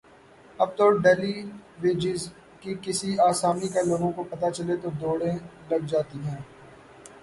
اب تو daily wages کی کسی آسامی کا لوگوں کو پتہ چلے تو دوڑیں لگ جاتی ہیں۔